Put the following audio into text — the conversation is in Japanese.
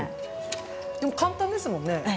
でも簡単ですよね